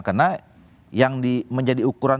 karena yang menjadi ukuran